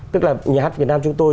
tức là nhà hát việt nam chúng tôi